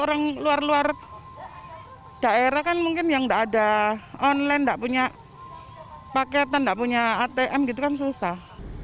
orang luar luar daerah kan mungkin yang tidak ada online nggak punya paketan tidak punya atm gitu kan susah